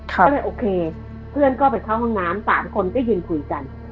ก็เลยโอเคเพื่อนก็ไปเข้าห้องน้ำ๓คนก็ยืนคุยกัน